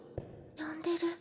呼んでる。